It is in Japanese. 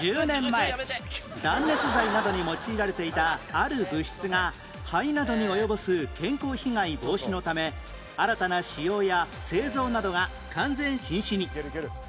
１０年前断熱材などに用いられていたある物質が肺などに及ぼす健康被害防止のため新たな使用や製造などが完全禁止に